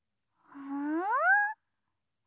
うん！